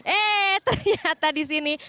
eh ternyata di sini